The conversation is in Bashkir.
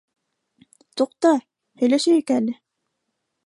Туҡта, һөйләшәйек әле.